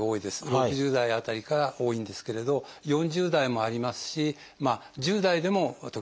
６０代辺りから多いんですけれど４０代もありますし１０代でも時々ありますね。